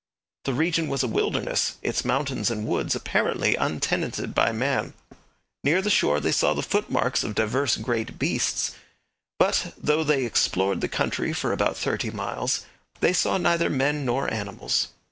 The region was a wilderness, its mountains and woods apparently untenanted by man. Near the shore they saw the footmarks of divers great beasts, but, though they explored the country for about thirty miles, they saw neither men nor animals.